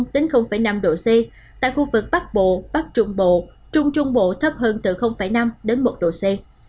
đến năm độ c tại khu vực bắc bộ bắc trung bộ trung trung bộ thấp hơn từ năm đến một độ c